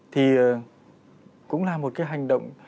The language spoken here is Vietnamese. thì cũng là một cái hành động